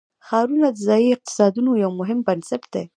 ښارونه د ځایي اقتصادونو یو مهم بنسټ دی.